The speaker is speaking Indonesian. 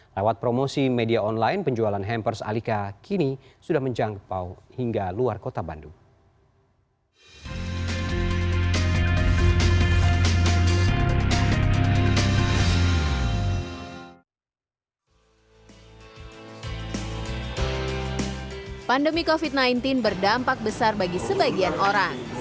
lewat promosi media online penjualan hampers alika kini sudah menjangkau hingga luar kota bandung